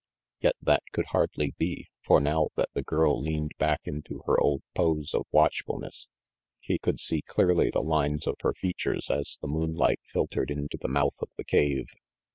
Yet that could hardly be, for now that the girl leaned back into her old pose of watchfulness, he could see clearly the lines of her features as the moon light filtered into the mouth of the cave.